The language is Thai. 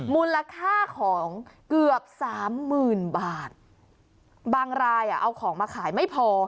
มูลค่าของเกือบสามหมื่นบาทบางรายอ่ะเอาของมาขายไม่พอ